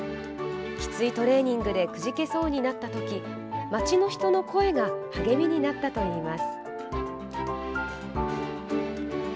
きついトレーニングでくじけそうになった時町の人の声が励みになったといいます。